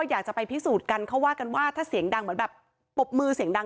อยากจะไปพิสูจน์กันเขาว่ากันว่าถ้าเสียงดังเหมือนแบบปรบมือเสียงดัง